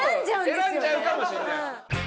選んじゃうかもしれない。